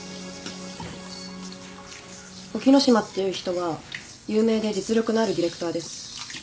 沖野島っていう人は有名で実力のあるディレクターです。